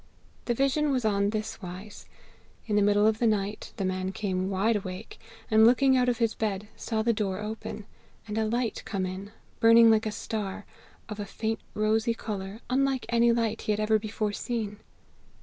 The vision was on this wise: In the middle of the night the man came wide awake, and looking out of his bed, saw the door open, and a light come in, burning like a star, of a faint rosy colour, unlike any light he had ever before seen.